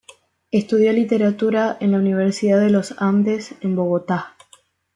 Estudió literatura en la Universidad de los Andes en Bogotá.